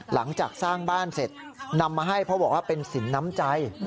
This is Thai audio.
หลังจากสร้างบ้านเสร็จนำมาให้เพราะบอกว่าเป็นสินน้ำใจ